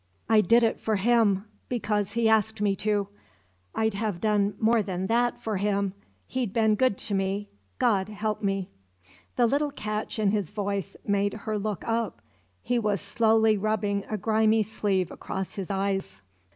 "I did it for him because he asked me to. I'd have done more than that for him. He'd been good to me God help me!" The little catch in his voice made her look up. He was slowly rubbing a grimy sleeve across his eyes.